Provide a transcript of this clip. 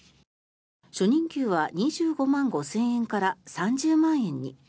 初任給は２５万５０００円から３０万円に。